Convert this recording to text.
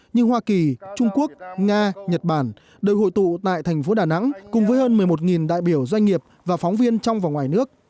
như hoa kỳ trung quốc nga nhật bản đội hội tụ tại thành phố đà nẵng cùng với hơn một mươi một đại biểu doanh nghiệp và phóng viên trong và ngoài nước